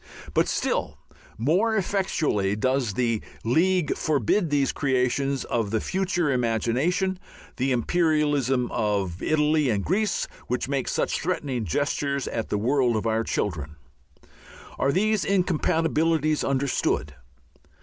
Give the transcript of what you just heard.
Still more effectually does the League forbid those creations of the futurist imagination, the imperialism of Italy and Greece, which make such threatening gestures at the world of our children. Are these incompatibilities understood?